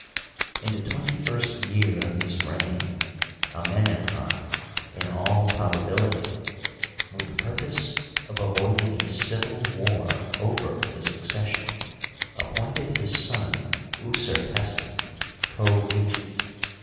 In the twenty first year of his reign Amenemhat, in all probability with the purpose of avoiding a civil war over the succession, appointed his son Usertesen co regent.